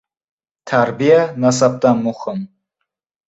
• Tarbiya nasabdan muhim.